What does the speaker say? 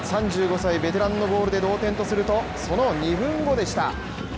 ３５歳ベテランのゴールで同点とするとその２分後でした。